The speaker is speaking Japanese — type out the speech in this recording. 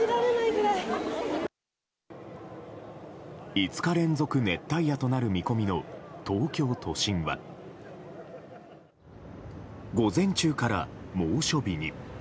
５日連続熱帯夜となる見込みの東京都心は午前中から猛暑日に。